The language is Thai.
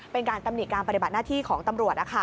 เป็นการตำหนิการปฏิบัติหน้าที่ของตำรวจ